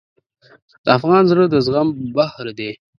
د افغان زړه د زغم بحر دی.